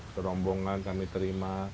terombongan kami terima